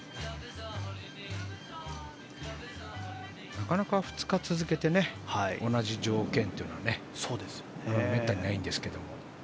なかなか２日続けて同じ条件というのはめったにないんですけども。